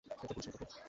একজন পুরুষের মত, হুহ?